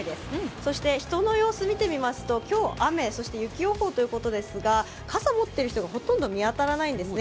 そして人の様子を見てみますと、今日雨、そして雪予報ということですが傘を持っている人がほとんど見当たらないですね。